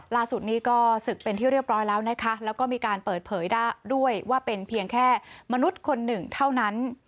ล่าสุดนี้ก็ศึกเป็นที่เรียบร้อยแล้วนะคะแล้วก็มีการเปิดเผยด้วยว่าเป็นเพียงแค่มนุษย์คนหนึ่งเท่านั้น